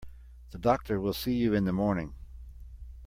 The doctor will see you in the morning.